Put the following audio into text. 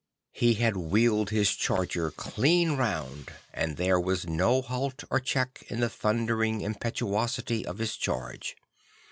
He had wheeled his charger clean round, but there was no halt or check in the thundering impetuosity of his charge.